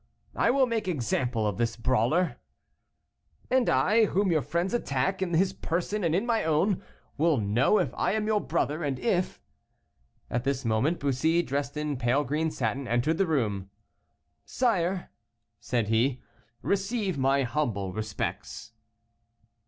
"I will make example of this brawler." "And I, whom your friends attack, in his person and in my own, will know if I am your brother, and if " At this moment Bussy, dressed in pale green satin, entered the room. "Sire!" said he, "receive my humble respects."